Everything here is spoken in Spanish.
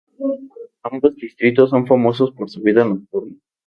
Ambos distritos son famosos por su vida nocturna.